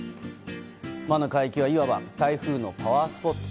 魔の海域はいわば台風のパワースポット。